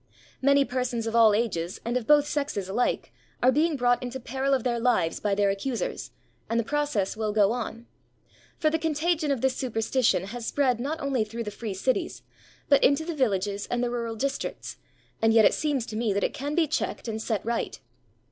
Many persons of all ages, and of both sexes alike, are being brought into peril of their lives by their accusers, and the process will go on. For the contagion 456 K HOW TO TREAT THE CHRISTIANS of this superstition has spread not only through the free cities, but into the villages and the rural districts, and yet it seems to me that it can be checked and set right.